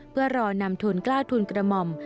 เพื่อรอนำทุนกล้าวทุนกระหม่อม